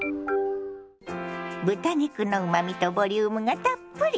豚肉のうまみとボリュームがたっぷり。